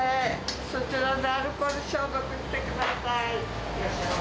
そちらでアルコール消毒してください。